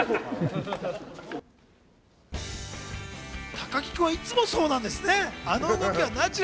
高木君は、いつもそうなんですね。